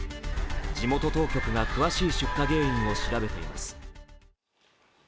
地元当局が詳しい出火原因を調べています。